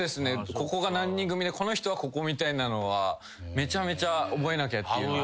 ここが何人組でこの人はここみたいなのはめちゃめちゃ覚えなきゃっていうのは。